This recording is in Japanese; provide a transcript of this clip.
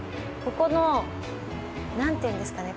ここの、なんというんですかね。